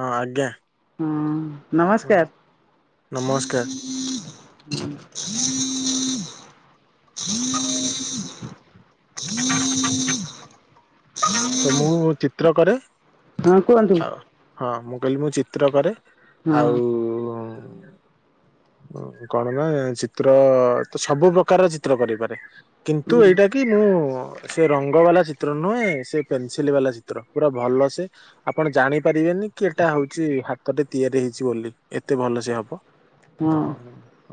ହଁ ଆଜ୍ଞା। ହଁ ହଁ ନମସ୍କାର। ନମସ୍କାର [inaudible] [inaudible] ତ ମୁଁ ଚିତ୍ର କରେ ହଁ କୁହନ୍ତୁ ଆଉ ହଁ ମୁଁ କହିଲି ମୁଁ ଚିତ୍ର କରେ। ହଁ ଆଉ କଣ ନା ଚିତ୍ର ତ ସବୁ ପ୍ରକାରର ଚିତ୍ର କରିପାରେ। କିନ୍ତୁ ହୁଁ ଏଇଟା କି ମୁଁ ସେ ରଙ୍ଗ ବାଲା ଚିତ୍ର ନୁହେଁ ସେ ପେନସିଲ୍ ବାଲା ଚିତ୍ର ପୁରା ଭଲ ସେ ଆପଣ ଜାଣି ପାରିବେନି କି ଏଟା ହଉଚି ହାତଟରେ ତିଆରି ହେଇ ସେ ବୋଲି ଏତେ ଭଲ ସେ ହବ ହଁ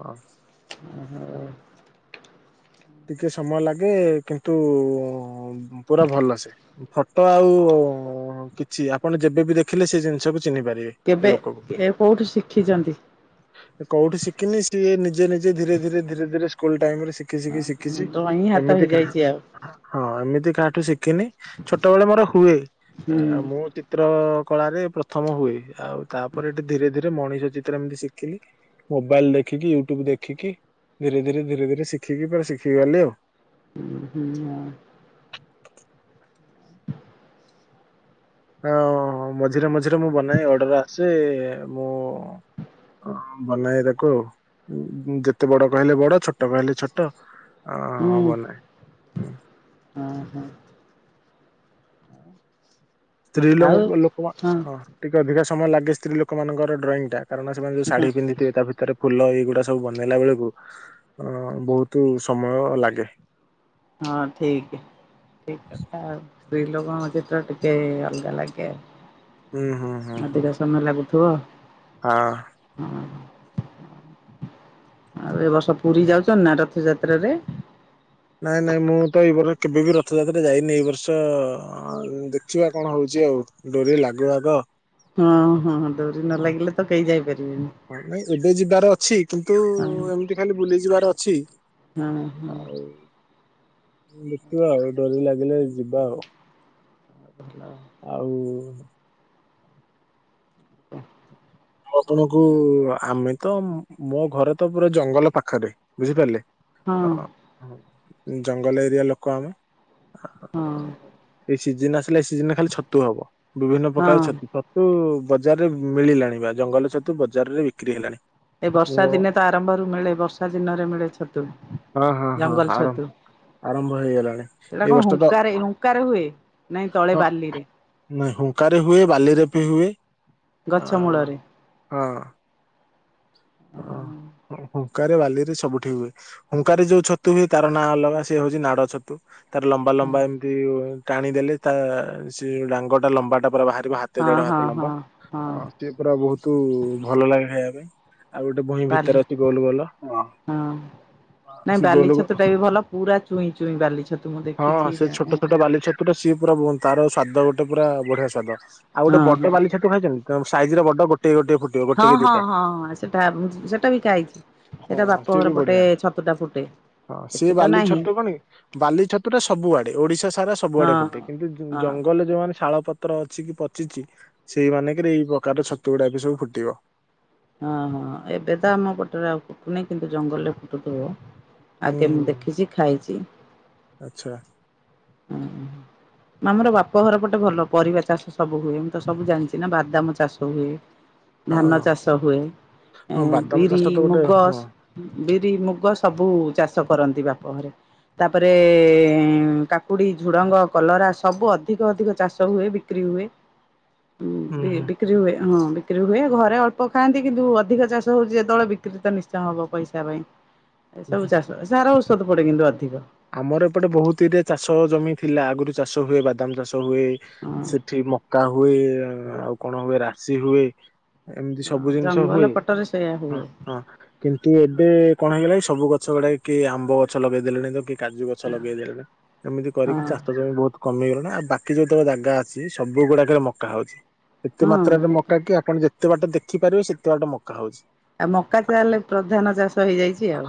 ହଁ। ହୁଁ। ଟିକେ ସମୟ ଲାଗେ କିନ୍ତୁ ପୁରା ଭଲସ ଫଟୋ [unintelligible] ଆଉ [unintelligible] କିଛି ଆପଣ ଯେବେ ବି ଦେଖିଲେ ସେ ଜିନଷ କେବେ ଏ କୋଉଠି ଶିଖିଛନ୍ତି? କଉଠି ଶଖିନି ସେଏ ନିଜେ ନିଜେ ଧୀରେ ଧୀରେ ଧୀରେ ଧୀରେ ସ୍କୁଲ ଟାଇମରେ ଶିଖି ଶିଖି ଶିକ୍ ଶିଖିଛି ଡଇଁ ହାତ ଏମିତି କା ହେଇଯାଇଛି ଆଉ ହା ହଁ ଏମିତି କାହାଠୁ ଶିଖିନି ଛୋଟବେଳେ ମୋର ହୁଏ ହୁଁ ଏ ମୁଁ ଚିତ୍ର କଳା ରେ ପ୍ରଥମ ହୁଏ ଆଉ ତାପରେ ଏଠି ଧୀରେ ଧୀରେ ଯେ ମଣିଷ ଚିତ୍ର ଏମିତି ଶିଖିଲି ମୋବାଇଲ୍ ଦେଖିକି ୟୁଟ୍ୟୁବ ଦେଖିକି। ଧୀରେ ଧୀରେ ଧୀରେ ଧୀରେ ଶିଖିକି ପୁରା ଶିଖିକି ଗଲି ଆଉ। ହୁଁ ଆଉ ହଁ ମଝିରେ ମଝିରେ ମୁଁ ବନାଏ ଅର୍ଡର ଆସେ ମୁଁ ବନେଇ ତାକୁ ଆଉ ଯେତେ ବଡ କହିଲେ ବଡ ଛୋଟ କହିଲେ ଛୋଟ। ଅ ହୁଁ ହଁ ବନାଏ ହଁ। ହଁ ହୋ। ସ୍ତ୍ରୀ ଆଉ ଲୋକ ଲୋକ ହଁ ଟିକେ ଅଧିକା ସମୟ ଲାଗେ ସ୍ତ୍ରୀ ଲୋକମାନଙ୍କର ଡ୍ରଇଂ ଟା କାରଣ ସେମାନେ ଯୋଉ ଶାଢୀ଼ ପିନ୍ଧଥିବେ ତା ଭିତରେ ଫୁଲ ଏଇଗୁଡା ସବୁ ବନେଇଲା ବେଳକୁ ଅ ବହୁତ ସମୟ ଲାଗେ। ହଁ ଠିକ। ଠିକ୍ କଥା। ସ୍ତ୍ରୀ ଲୋକଙ୍କ ଚିତ୍ର ଟିକେ ଅଲଗା ଲାଗେ। ହୁଁ ହୁଁ ହଁ ହଁ। ଅଧିକ [inaudible] ହଁ। ହଁ ଆଉ ଏ ବର୍ଷ ପୁରୀ ଯାଉଛ ନା ରଥ ଯାତ୍ରାରେ? ନାଇଁ ନାଇଁ ମୁଁ ତ ଏଇ ବର୍ଷ କେବେ ବିି ରଥଯାତ୍ରା ଯାଇନି ଏଇ ବର୍ଷ ଦେଖିବା କଣ ହଉଛି? ଚି ଆଉ ଡୋରି ଲାଗୁ ଆଗ। ହଁ ହଁ ଡୋ଼ରି ନ ଲାଗିଲେ ତ କେହି ଯାଇପାରିବେନି। ହଁ ନାଇଁ ଏବେ ଯିବାର ଅଛି କିନ୍ତୁ ଏମିତି ଖାଲି ବୁଲି ଯିବାର ଅଛି। ହୁଁ ହୁଁ ଆଉ ଦେଖିବା ଆ ଡ଼ୋରି ଲାଗିଲେ ଯିବା ଆଉ। ଭଲ ଆଉ ଆପଣଙ୍କୁ ଆମେ ତ ମୋ ଘରେ ତ ପୁରା ଜଙ୍ଗଲ ପାଖରେ ବୁଝିପାରିଲେ? ହଁ ଅ ଜଙ୍ଗଲ ଏରିଆ ଲୋକ ଆମେ। ହଁ ଏଇ ସିଜିନ ଆସିଲେ ଏଇ ସିଜିନ ଖାଲି ଛତୁ ହବ, ବିଭିନ୍ନ ପ୍ରକାର ହଁ ଛତୁ ଛତୁ ବଜାରରେ ମିଳିଲାଣି ବା ଜଙ୍ଗଲ ତୁ ବଜାରରେ ବିକ୍ରି ହେଲାଣି। ଏ ମୁଁ ବର୍ଷା ଦିନେ ତ ଆରମ୍ଭରୁ ମିଳେ ବର୍ଷା ଦିନରେ ମିଳେ ଛତୁ। ହଁ ହଁ ହଁ ଜଙ୍ଗଲ ଛତୁ। ଆରାମ ଆରମ୍ଭ ହେଇଗଲାଣି ଏଇଟା ଏଇ କଣ ବର୍ଷ ତ ହୁଙ୍କାରେ ହୁଙ୍କାରେ ହୁଏ ନାଇଁ ତଳେ ହଁ। ବାଲିରେ ନାଇ ହୁଙ୍କାରେ ହୁଏ ବାଲିରେ ବି ହୁଏ ଅ ଗଛ ମୂଳରେ ହଁ ହଁ ହଁ ହଁ ହୁଙ୍କାରେ ବାଲିରେ ସବୁଠି ହୁଏ ହୁଙ୍କାରେ ଯୋଉ ଛତୁ ହୁଏ ତାର ନାଁ ଅଲଗା ସେଏ ହଉଛି ନାଡ ଛତୁ। ତାର ଲମ୍ବା ଲମ୍ବା ଏମିତି ଟାଣି ଦେଲେ ତା ସେ ଡାଙ୍ଗ ଟା ଲମ୍ବା ଟା ପୁରା ବାହାର ହାତ ହଁ ଦେଢ଼ ହଁ ହାତ ହଁ ଲମ୍ବା ହଁ ସେଏ ପୁରା ବହୁତ ଭଲ ଲାଗେ ଖାଇବା ପାଇଁ। ଆଉ ଗୋଟେ ଭୁଇଁ ବାଲି ଭିତରେ ଅଛି ଗୋଲ ଵାଲା ହଁ ନାଇଁ ସେ ବାଲି ଗୋଲ ଛତୁ ଟା ବି ଭଲ ପୁରା ଚୁଇଁ ଚୁଇଁ ବାଲି ଛତୁ ମୁଁ ହଁ ଦେଖିଛି ସେ ଜାଣେ। ଛୋଟ ଛୋଟ ବାଲି ଛତୁ ଟା ସିଏ। ପୁରା ତାର ସ୍ଵାଦ ଗୋଟେ ପୁରା ବଢିଆ ସ୍ୱାଦ। ଆଉ ହଁ ଗୋଟେ ହଁ ବଡ ବାଲି ଛାତୁ ଖାଇଛନ୍ତି ତ ସାଇଜ ର ବଡ ଗୋଟ ଗୋଟେ ଫୁଟିବ ହଁ ଗୋଟେ କି ଦିଟା? ହଁ ହଁ ସେଟା ସେଟା ବି ଖାଇଛି ହଁ ସେଟା ବାପ ସିଏ ବି ଘର ପୋଟେ ବଢିଆ। ଛତୁ ଟା ଫୁଟେ। ହଁ ସେ ଏଠି ତ ବାଲି ନାହିଁ ଛତୁ କଣ ବାଲି ଛତୁ ଟା ସବୁଆଡେ ଓଡିଶା ସାରା ହଁ ସବୁଆଡେ ହଁ। ଫୁଟେ କିନ୍ତୁ ହଁ ଜଙ୍ଗଲ ରେ ଯେଉଁମାନେ ଶାଳପ ପତ୍ର ଅଛି କି ପଚିଛି ସେଇ ମାନଙ୍କରେ ଏଇ ପ୍ରକାରର ଛତୁ ଗୁଡା ବି ସବୁ ଫୁଟିବ। ହଁ ହଁ ଏବେ ତ ଆମ ପଟରେ ଆଉ ଫୁଟୁନି କିନ୍ତୁ ଜଙ୍ଗଲରେ ଫୁଟୁଥିବ। ହୁଁ ଆଗେ ମୁଁ ହୁଁ ଦେଖିଛି ଖାଇଛି। ଆଚ୍ଛା। ହୁଁ ହଁ ନା ଆମର ବାପ ଘର ପଟେ ଭଲ ପରିବା ଚାଷ ସବୁ ହୁଏ ମୁଁ ତ ସବୁ ଜାଣିଛି ନା ବାଦାମ ଚାଷ ହୁଏ। ଧାନ ହଁ ଚାଷ ହୁଏ। ଏ ହଁ ବାଦାମ ଚାଷ ବିରି, ତ ଗୋଟେ ମୁଗ, ହଁ ବିରି ମୁଗ ସବୁ ଚାଷ ଚାଷ କରନ୍ତି ବାପ ଘରେ ତାପରେ କା କୁକୁଡି ଝୁଡ଼ଙ୍ଗ କଲରା ସବୁ ଅଧିକ ଅଧିକ ଚାଷ ହୁଏ ବିକ୍ରି ହୁଏ। ହୁଁ ଭେ ବିକ୍ରି ହୁଏ। ହଁ ବିକ୍ରି ହୁଏ ଘରେ ଅଳ୍ପ ଖାଆନ୍ତି କିନ୍ତୁ ଅଧିକ ଚାଷ ହଉଛି ଯେତେବେଳେ ବିକ୍ରି ତ ନିଶ୍ଚୟ ହବ ପଇସା ପାଇଁ। ଏ ହୁଁ, ସବୁ ହୁଁ। ଚାଷ ସାର ଔଷଧ ପଡେ କିନ୍ତୁ ଅଧିକ। ଆମର ଏପଟେ ବହୁତ ଇରିଏ ଚାଷ ଜମି ଥିଲା ଆଗରୁ ଚାଷ ହୁଏ ବାଦାମ ଚାଷ। ହୁଏ ହଁ। ସେଠି ମକା ହୁଏ ଆଉ କଣ ହୁଏ ରାଶି ହୁଏ। ଏମିତି ହଁ ସବୁ ଜିନିଷ ଜଙ୍ଗଲ ହୁଏ ପଟରେ ସେଇୟା ହୁଏ ହଁ କିନ୍ତୁ ଏବେ କଣ ହେଇଗଲାକି ସବୁ ଗଛ ଗୁଡାକ କି ଆମ୍ବ ଗଛ ଲଗେଇଦେଲେଣି ତ କି କାଜୁ ଗଛ ଲଗେଇ ଦେଲେ ଏମିତି ହଁ କରିକି ଚାଷ ଜମି ବହୁତ କମିଗଲାଣି ଆଉ ବାକି ଯୋତେକ ଜାଗା ଅଛି ସବୁ ଗୁଡ଼ାକ ରେ ମକା ହଉଚି। ଏତେ ମାତ୍ରାରେ ମକା କି ଆପଣ ଯେତେ ବାଟ ଦେଖିପାରିବେ ସେତେ ବାଟ ମକା ହଉଚି। ଆଉ ମକା ତାହେଲେ ପ୍ରଧାନ ଚାଷ ହେଇଯାଇଚି ଆଉ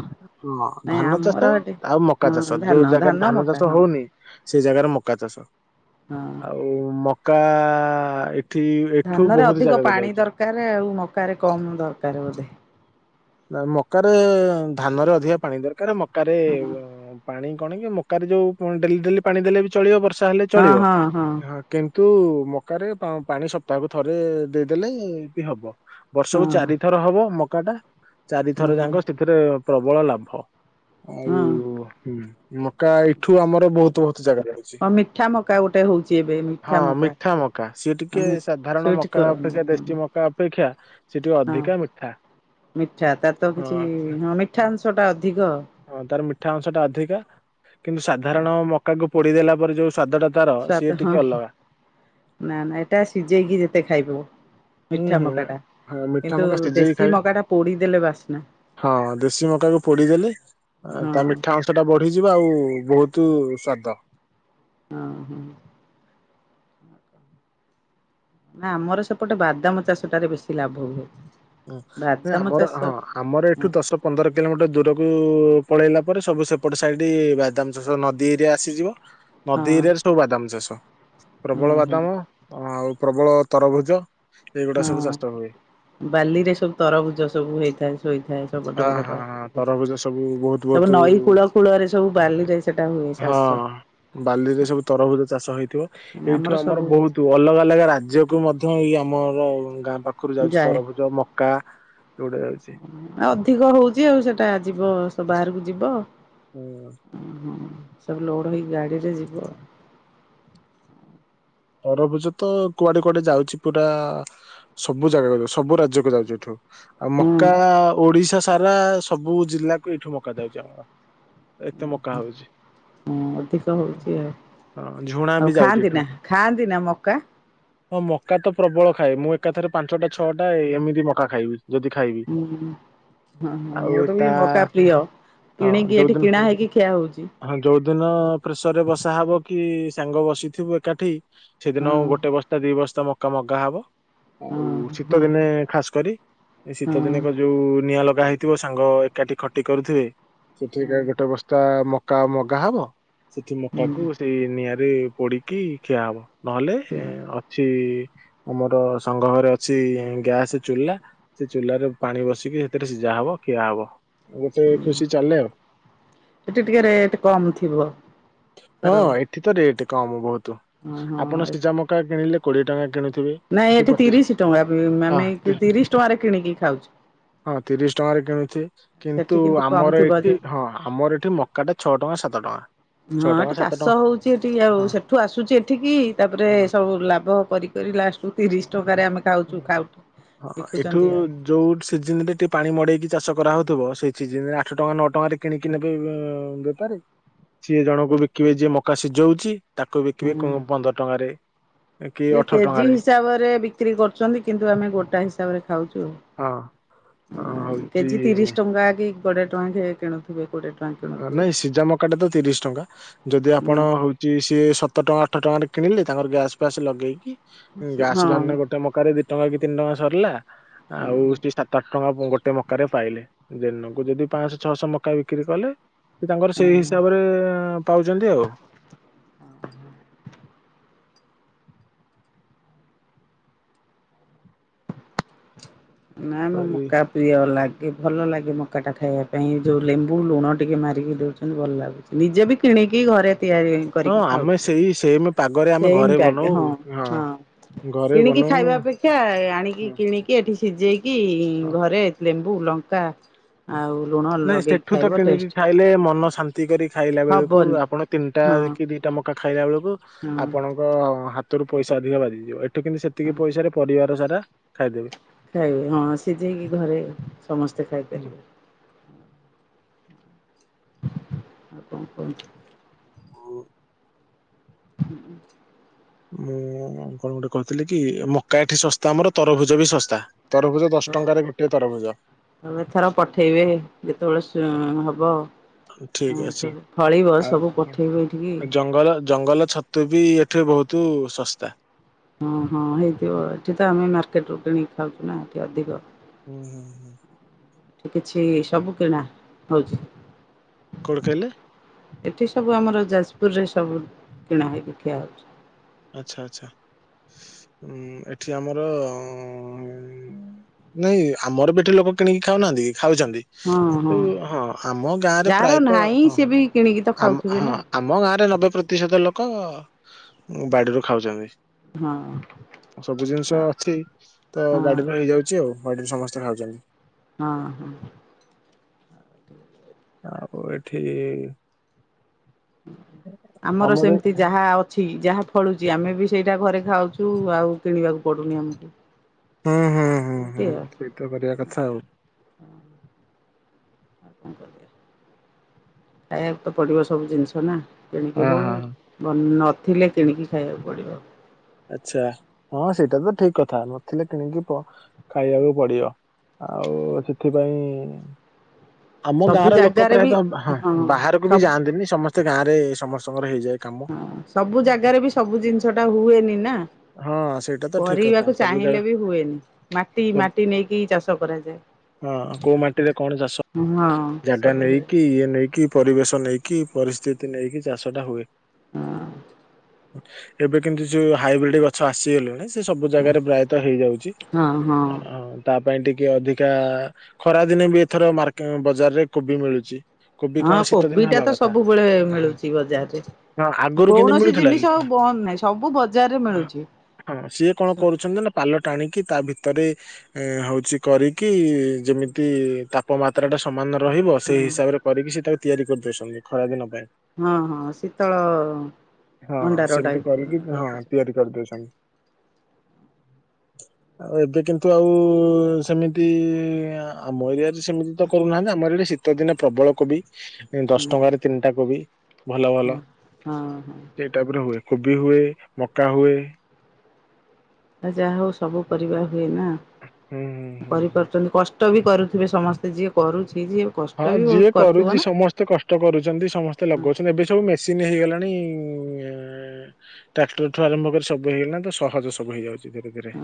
ହଁ ନାଇଁ ଧାନ ଚାଷ ଆମର ଏଠି ଆଉ ମକା ହଁ ଚାଷ ଧାନ ଯୋଉ ଜାଗାରେ ଧାନ ମକା ଚାଷ ହଁ ହଉନି। ସେ ଜାଗାରେ ମକା ଚାଷ ହଁ ଆଉ ମକା ଆ ଧାନରେ ଅଧିକ ପାଣି ଦରକାର ଆଉ ମକାରେ କମ ଦରକାର ବୋଧେ। ନା ମକାରେ ଧାନରେ ଅଧିକା ପାଣି ଦରକାରେ ମକାରେ ହଁ ପାଣି କଣ କି ମକାରେ ଯୋଉ ଡେଲି ଡେଲି ପାଣି ଦେଲେ ବି ଚଳିବ ବର୍ଷା ହେଲେ ହଁ ଚଳିବ ହଁ ହଁ କି ତୁ ମକାରେ ପାଣି ସପ୍ତାହକୁ ଥରେ ଦେଇଦେଲେ ବି ହବ। ବର୍ଷକୁ ହଁ ଚାରି ଥର ହବ ମକା ଟା ଚାରିଥର ଯାକ ସେଥିରେ ପ୍ରବଳ ଲାଭ। ଆଉ ହଁ ମକା ଏଇଠୁ ଆମର ବହୁତ ସେ ଯାଗାରେ ଅଛି ହଁ ମିଠା ମକା ଗୋଟେ ହଉଛି ଏବେ ମିଠା ହଁ ମକା ମିଠା ମକା ସିଏ ଟିକେ ମିଠା ସାଧାରଣ ସୁଇଟ ମକା ତା କର୍ଣ୍ଣ ଅପେକ୍ଷା ଦେସି ମକା ଅପେକ୍ଷା। ସେ ଟିକେ ଅଧିକା ମିଠା। ଆଛା ତ ତ କିଛି ହଁ ମିଠା ଅଂଶ ଟା ଅଧିକ। ହଁ ତାର ମିଠା ଅଂଶ ଟା ଅଧିକା କିନ୍ତୁ ସାଧାରଣ ମକାକୁ ପୋଡିଦେଲା ପରେ ଯୋଉ ସ୍ଵାଦ ଟା ତାର ସିଏ ସ୍ୱାଦ ଟିକେ ହଁ ଅଲଗା। ନା ନା ଏଟା ସିଝେଇକି ଯେତେ ଖାଇବ। ହୁଁ ମିଠା ହୁଁ ମକା ଟା ହଁ ମିଠା କିନ୍ତୁ ମକା ସିଝେଇକି ଦେଶୀ ଖାଇବେ ମକା ଟା ପୋଡି ଦେଲେ ବା ହଁ ଦେଶୀ ମକା କୁ ପୋଡ଼ିଦେଲେ ହଁ ତା ମିଠା ଅଂଶ ଟା ବଢିଯିବ ଆଉ ବହୁତ ସ୍ୱାଦ। ହଁ ହଁ। ନା ଆମର ସେପଟେ ବାଦାମ ଚାଷ ଟାରେ ବେଶୀ ଲାଭ ହୁଏ। ବାଦାମ ଆମର ଚାଷ ହଁ ଆମର ହଁ ଏଠୁ ଦଶ ପନ୍ଦର କିଲୋମିଟର ଦୂରକୁ ପଳେଇଲା ପରେ ସବୁ ସେପଟ ସାଇଡ ବାଦାମ ଚାଷ ନଦୀ ଏରିଆ ଆସିଯିବ ହଁ ନଦୀ ଏରିଆରେ ସବୁ ବାଦାମ ଚାଷ। ପ୍ରବଳ ହଁ ବାଦାମ ଆଉ ପ୍ରବଳ ତରଭୁଜ ଏଇଗୁଡ଼ା ସବୁ ଚାଷ ହୁଏ। ବାଲି ରେ ସବୁ ତରଭୁଜ ସବୁ ହେଇଥାଏ। ହୋଇଥାଏ ସବୁ ହଁ ବଡବଡ ହଁ ହଁ ଥାଏ ତରଭୁଜ ବହୁତ ସବୁ ବହୁତ ନଈ କୂଳ କୂଳରେ ସବୁ ବାଲି ଯାଏ ସେଟା ହୁ ଚାଷ। ହଁ ବାଲିରେ ସବୁ ତରଭୁଜ ଚାଷ ହେଇଥିବ ଏଇଠୁ ଆମର ବହୁତ ଅଲଗା ଅଲଗା ରାଜ୍ୟକୁୁ ମଧ୍ୟ ଏଇ ଆମ ଆ ଗାଁ ପାଖରୁ ଯାଉଚି ଯାଏ ତରଭୁଜ ମକା ଏଉଡ଼ା ଯାଉଚି। ଅଧିକ ହଉଚି ଆଉ ସେଇଟା ଯିବ ବାହାରକୁ ଯିବ। ହୁଁ ସବୁ ଲୋଡ଼ ହେଇକି ଗାଡ଼ିରେ ଯିବ। ତରଭୁଜ ତ କୁଆଡ଼େ କୁଆଡ଼େ ଯାଉଚି ପୁରା ସବୁ ଜାଗାକୁ ଯାଉ ସବୁ ରାଜ୍ୟକୁ ଯାଉଚି ଏଠୁ। ଆଉ ହୁଁ ମକା ଓଡିଶା ସାରା ସବୁ ଜିଲ୍ଲାକୁ ଏଇଠୁ ମକା ଯାଉଚି ଆମର। ଏତେ ମକା ହଉଚି ହୁଁ ଅଧିକ ହଉଛି ଆଉ। ହଁ ଝୁଣା ଆଉ ବି ଯାଉଚି ଖାଆନ୍ତି ନା ଏଠୁ। ଖାଆନ୍ତି ନା ମକା ହଁ ମକା ତ ପ୍ରବଳ ଖାଏ ମୁଁ ଏକାଥରେ ପାଞ୍ଚଟା ଛଅଟା ଏମିତି ମକା ଖାଇବି ଯଦି ଖାଇବି। ହୁଁ ହଁ ହଁ ଆଉ ମୋର ତା ମକା ପ୍ରିୟ ହଁ କିଣିକି ଏଠି ଯୋଉଦିନ କିଣା ହେଇକି ଖିଆ ହଉଛି। ହଁ ଯୋଉଦିନ ପ୍ରେସର ରେ ବସା ହବ କି ସାଙ୍ଗ ବସିଥିବୁ ଏକାଠି। ହଁ ସେଦିନ ଉଁ ଗୋଟେ ବସ୍ତା ଦି ବସ୍ତା ମକା ମଗା ହବ ହଁ ଆଉ ହଁ ହଁ। ଶୀତ ଦିନେ ଖାସ କରି ଏ ହଁ ଶୀତ ଦିନକ ଯୋଉ ନିଆଁ ଲଗା ହେଇଥିବ ସାଙ୍ଗ ଏକାଠି ଖଟି କରୁଥିବେ। ସେଠି ଗୋଟେ ବସ୍ତା ମକା ମଗା ହବ ସେଠି ମକା କୁ ହୁଁ ସେଇ ନିଆଁରେ ପୋଡିକି ଖିଆ ହବ ନହେଲେ ଅଛି ଆମର ସଂଘ ଘରେ ଅଛି ଗ୍ୟାସ ଚୁଲା ସେ ଚୁଲାରେ ପାଣି ବସିକି ସେଥିରେ ସିଝା ହବ। ହବ ଖିଆ ହବ ଗୋଟେ ହୁଁ ଖୁସି ଚାଲେ ଆଉ। ଏଠି ଟିକେ ରେଟ୍ କମ୍ ଥିବ କର। ହଁ ଏଠି ତ କମ ବହୁତ ଆପଣ ସିଝା ମକା କିଣିଲେ କୋଡିଏ ଟଙ୍କା କିଣୁ ନାଇଁ ଏଠି ତିରିଶ ଟଙ୍କା ହଁ ଆମେ ତି ତିରିଶ ଟଙ୍କାରେ କିଣିକି ଖାଉଛୁ। ହଁ ତିରିଶ ଟଙ୍କାରେ କିଣୁଛି ସେଠି କିନ୍ତୁ କମ୍ ଆମର ଥିବ ଏଠି ଯେ ହଁ ଆମର ଏଠି ମ ଛଅ ଟଙ୍କା ସାତ ଟଙ୍କା। ହଁ ଏଠି ସାତ ଚାଷ ଟଙ୍କା ହଉଛି ଏଠି ଆଉ ହଁ ସେଠୁ ଆସୁଛି ଏଠିକି ତାପରେ ହଁ। ସବୁ ଲାଭ କରି କରି ଲାଷ୍ଟ କୁ ତିରିଶ ଟଙ୍କା। ହଁ ଏଠୁ ଆଉ ଯୋଉ ସିଜିନ ରେ ଟିକେ ପାଣି ମଡେଇକି ଚାଷ କରାହଉଥିବ ସେ ସିଜିନରେ ଆଠ ଟଙ୍କା ନଅ ଟଙ୍କାରେ କିଣିକି ନେବେ ବେପାରୀ। ସିଏ ଜଣଙ୍କୁ ବିକିବେ ଯିଏ ମକା ସିଝଉଛି ତାକୁ ବିକିବେ ପନ୍ଦର ଟଙ୍କାରେ। କି ସେ ଅଠର କେଜିି ଟଙ୍କାରେ ହିସାବରେ ବିକ୍ରି କରୁ କିନ୍ତୁ ଆମେ ଗୋଟା ହିସାବ ରେ ଖାଉଛୁ ହଁ ହଁ, [inaudible] କେଜି ହଉଛି ତିରିଶ ଟଙ୍କା। କୋଡିଏ ଟଙ୍କା କିଣୁଥିବେ କୋଡିଏ ଟଙ୍କା। କିଣୁଥିବେ। ନାଇଁ ସିଝା ମକାଟେ ତ ତିରିଶ ଟଙ୍କା ଯଦି ହଁ ଆପଣ ହଉଛି ସିଏ ସତ ଟଙ୍କା ଆଠ ଟଙ୍କାରେ କିଣିଲି ତାଙ୍କର ଗ୍ୟାସ୍ ଫ୍ୟାସ୍ ଲଗେଇକି ହଁ ଗ୍ୟାସ ହଁ। ଧରିଲେ ଗୋଟେ ମକାରେ ଦି ଟଙ୍କା କି ତିନି ଟଙ୍କା ସରିଲା ଆଉ ସ୍ତି ସ୍ଟାଟକ। ଟଙ୍କା ଗୋଟେ ମକାରେ ପାଇଲେ ଦିନକୁ ଯଦି ପାଞ୍ଚଶହ ଛଅଶହ ମକା ବିକ୍ରି କଲେ। ସେ ତାଙ୍କର ସେଇ ହିସାବରେ ପାଉଛନ୍ତି ଆଉ। [inaudible] ନାଇ ତ ମ ଏଇ- ମକା ପ୍ରିୟ ଲାଗେ ଭଲ ଲାଗେ। ମକା ଟା ଖାଇବା ପାଇଁ ଯୋଉ ଲେମ୍ବୁ ଲୁଣ ଟିକେ ମାରିକି ଦଉଛନ୍ତି ଭଲ ଲାଗୁଛି ନିଜେ ବି କିଣିକି ଘରେ। ତିଆରି ହଁ କରିକି ଖାଉଛ ଆମେ ସେଇ ସେମ୍ ପାଗରେ [inaudible] ଆମେ ଘରେ ସେଇମତି ଆଗେ ବନଉ ହଁ ହଁ ଘରେ କିଣିକି ବନଉ ଖାଇବା ଅପେକ୍ଷା ଆଣିକି ହଁ କିଣିକି ଏଠି ସିଝେଇକି ହଁ। ଘରେ ଲେମ୍ବୁ ଲଙ୍କା। ଆଉ ଲୁ ନାଇଁ ସେଠୁ ତ କିଣିକି ଖାଇଲେ ମନ ଶାନ୍ତି କରି ଖାଇଲା ବେଳକୁ ହବନି ଆପଣ ତିନିଟା ହଁ କି ଦିଟା ମ ମକା ଖାଇଲା ବେଳକୁ ହଁ ଆପଣଙ୍କ ହାତରୁ ପଇସା ଅଧିକା ବାଜିଯିବ। ଏଠୁ କିନ୍ତୁ ହଁ ସେତିକି ପଇସାରେ ପରିବାର ସାରା ଖାଇଦେବେ। ଖାଇବେ ହଁ ସିଝେଇକି ଘରେ ସମସ୍ତେ ଖାଇପାରିବେ। [inaudible] ଆଉ କଣ କୁହନ୍ତୁ। [inaudible] [inaudible] ହୁଁ। ମୁଁ କଣ ଗୋଟେ କହିଥିଲି କି ମକା ଏଠି ଶସ୍ତା ଆମର ତରଭୁଜ ବି ଶସ୍ତା। ତରଭୁଜ ଦଶ ଟଙ୍କାରେ ଗୋଟିଏ ତରଭୁଜ [inaudible] ହଁ ଏଥର ପଠେଇବେ ଯେତେବେଳେ ଏଁ ହବ ଆଉ। ଠିକ ଅଛି ଆଉ ପଠେଇବେ ଏଠିକି ଜଙ୍ଗଲ ଜଙ୍ଗଲ ଛତୁ ବି ଏଠି ବହୁତ ଶସ୍ତା। ଓଁ ହଁ ହେଇଥିବ ଏଠି ତ ଆମେ ମାର୍କେଟ ରୁ କିଣିକି ଖାଉଛୁ ନା ଏଠି ଅଧିକ। ହୁଁ ହୁଁ ହୁଁ। ଏଠି କିଛି ସବୁ କିଣା ହଉଚି। କଣ କହିଲେ? ଏଠି ସବୁ ଆମର ଯାଜପୁରରେ ସବୁ କିଣା ହେଇକି ଖିଆହେଉଛି। ଆଚ୍ଛା ଆଚ୍ଛା [inaudible] ଉ ଏଠି ଆମର ନାଇଁ ଆମର ବି ଏଠି ଲୋକ କିଣିକି ଖାଉନାହାନ୍ତି କି। ଖାଉଛନ୍ତି କିନ୍ତୁ ହଁ ଆମ ଗାଁରେ ଯାହାର ପ୍ରାୟତଃ ନାହିଁ ହଁ। ସିଏ ବି କିଣିକି ତ ଆମ ଖାଉଥିବେ ହଁ ନା ଆମ ଗାଁରେ ନବେ ପ୍ରତିଶତ ଲୋକ ବାଡିରୁ ଖାଉଛନ୍ତି। ହଁ। [inaudible] ସବୁ ହଁ ଜିନିଷ ଅଛି ତ ହଁ ବାଡିରୁ ହେଇଯାଉଛି ଆଉ ଘରେ ସମସ୍ତେ ଖାଉଛନ୍ତି। ହଁ ହଁ। [inaudible] ଆଉ ଏଠି ଆମର ସେମିତି ଯାହା ଅଛି। ଠ ଯାହା ଫଳୁଛି ଆମେ ବି ସେଇଟା ଘରେ ଖାଉଛୁ ଆଉ କିଣିବାକୁ ପଡୁନି ଆମକୁ। ହୁଁ ହୁଁ ହୁଁ ସେମିତି ହୁଁ ଆଉ। ସେଇତ କରିବା କଥା ଆଉ। [inaudible] [inaudible] ଏ ତ ପଡିବ ସବୁ ଜିନିଷ ନା କିଣିକି ହଁ ହଉ ହଁ। ବ। ଥିଲେ କିଣିକି ଖାଇବାକୁ ପଡିବ। ଆଚ୍ଛା ହଁ ସେଇଟା ତ ଠିକ କଥା ନଥିଲେ କିଣିକି ଖାଇବାକୁ ପଡିବ। ଆଉ ସେଥିପାଇଁ ଆମ ଗାଁ ସବୁ ର ଲୋକ ଜାଗାରେ ବି ପ୍ରାୟତଃ ହଁ ହ ବାହାରକୁ ବି ସବୁ ଯାଆନ୍ତିନି ସମସ୍ତେ ତେ ଗାଁରେ ସମସ୍ତଙ୍କର ହେଇଯାଏ। କାମ ହଁ ସବୁ ଜାଗାରେ ବି ସବୁ ଜିନିଷ ଟା ହୁଏନି ନା। ହଁ ସେଇଟା ତ ଠିକ କଥା କରିବାକୁ ସବୁ ଜାଗା ଚାହିଁଲେ ବି ହୁଏନି ମାଟି ସବୁ ମାଟି ନେଇକି ଚାଷ କରାଯାଏ। ହଁ କୋଉ ମାଟିରେ କଣ ଚାଷ ହଁ ଜାଗା ସବୁ ହୁଏ ନେଇକି ଇଏ ନେଇକି ପରିବେଶ ନେଇକି ପରିସ୍ଥିତି ନେଇକି ଚାଷ ଟା ହୁଏ। ହଁ। ଏବେ କିନ୍ତୁ ଯୋଉ ହାଇବ୍ରିଡ ଗଛ ଆସିଗଲାଣି। ସେ ସବୁ ଜାଗାରେ ପ୍ରାୟତଃ ହେଇଯାଉଛି ହଁ ହଁ। ଆଉ। ପାଇଁ ଟିକେ ଅଧିକା ଖରା ଦିନେ ବି ଏଥର ମେ ବଜାରରେ କୋବି ମିଳୁଛି। କୋବି କଣ ହଁ ଶୀତ କୋବି ଦିନ ଟା ହବା ତ କଥା ସବୁବେଳେ ହଁ ମିଳୁଛି ବଜାରରେ। ଆଗରୁ କେମିତି କୌଣସି ମିଳୁଥିଲା କି? ଜିନିଷ ଆଉ ବନ୍ଦ ନାହିଁ ସବୁ ବଜାରରେ ମିଳୁଛି। ହଁ ସିଏ କଣ କରୁଛନ୍ତି ନା ପାଲ ଟାଣିକି ତା ଭିତରେ ଏ ହଉଛି କରିକି ଯେମିତି ତାପମାତ୍ରା ଟା ସମାନ ରହିବ ସେଇ ହିସାବରେ କରିକି ସେଟାକୁ ତିଆରି କରିଦଉଛନ୍ତି ଖରାଦିନ ହଁ ହଁ ଶୀତଳ ହଁ ଭଣ୍ଡାର ସେମିତି ଟାଇପ୍ କରିକି ହଁ ରଖୁଛନ୍ତି। ତିଆରି କରିଦଉଛନ୍ତି। ଆଉ ଏବେ କିନ୍ତୁ ଆଉ ସେମିତି ଆମ ଏରିଆରେ ସେମିତି ତ କରୁନାହାନ୍ତି ଆମର ଏଠି ଶୀତ ଦିନେ ପ୍ରବଳ କୋବି ଦଶ ହୁଁ ଟଙ୍କାରେ ତିନିଟା କୋବି। ଭଲ ଭଲ ହଁ ହଁ ସେଇ ଟାଇପ ର ହୁଏ କୋବି ହୁଏ ମକା ହୁଏ। ଆ ଯାହା ହଉ ସବୁ ପରିବା ହୁଏ ନା ହୁଁ ହୁଁ ହୁଁ ହୁଁ କରିପାରୁଛନ୍ତି କଷ୍ଟ ବି କରୁଥିବେ ସମସ୍ତେ ଯିଏ କରୁ ହଁ ଯିଏ କରୁଛି ସମସ୍ତେ କଷ୍ଟ କରୁଛନ୍ତି ସମସ୍ତେ ଲଗାଉଛନ୍ତି ଏବେ ସବୁ ମେସିନ୍ ହେଇଗଲାଣି। ଉ ଟ୍ରାକ୍ଟରଠୁ ଆରମ୍ଭ କରି ସବୁ ହେଇଗଲାଣି ତ ସହଜ ସବୁ ହେଇଯାଉଛି। ଆ ଘରେ ଘରେ।